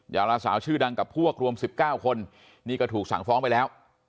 ดาราสาวชื่อดังกับพวกรวม๑๙คนนี่ก็ถูกสั่งฟ้องไปแล้ว